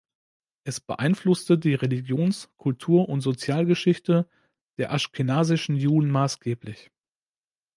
Es beeinflusste die Religions-, Kultur- und Sozialgeschichte der aschkenasischen Juden maßgeblich.